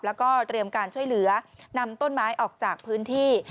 แล้วก็เตรียมการช่วยเหลือนำต้นไม้ออกจากพื้นที่